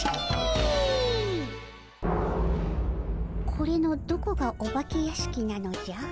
これのどこがお化け屋敷なのじゃ？